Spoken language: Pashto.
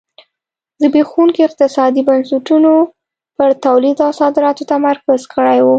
زبېښونکو اقتصادي بنسټونو پر تولید او صادراتو تمرکز کړی و.